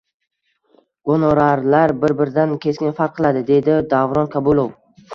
Gonorarlar bir-biridan keskin farq qiladi, — deydi Davron Kabulov